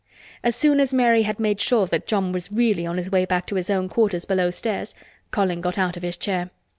As soon as Mary had made sure that John was really on his way back to his own quarters below stairs, Colin got out of his chair.